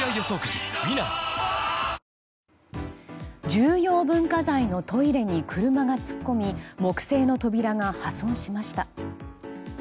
重要文化財のトイレに車が突っ込み木製の扉が破損しました。